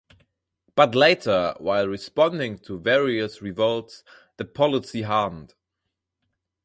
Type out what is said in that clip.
But later, while responding to various revolts, their policy hardened.